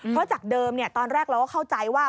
เพราะจากเดิมตอนแรกเราก็เข้าใจว่า